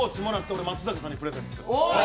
絶対、松坂さんにプレゼントする。